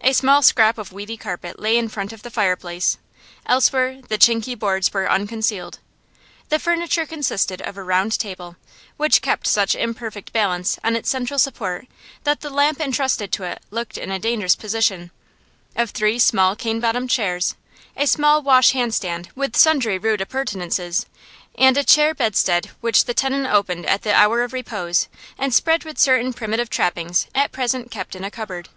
A small scrap of weedy carpet lay in front of the fireplace; elsewhere the chinky boards were unconcealed. The furniture consisted of a round table, which kept such imperfect balance on its central support that the lamp entrusted to it looked in a dangerous position, of three small cane bottomed chairs, a small wash hand stand with sundry rude appurtenances, and a chair bedstead which the tenant opened at the hour of repose and spread with certain primitive trappings at present kept in a cupboard.